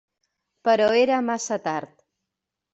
Però era massa tard.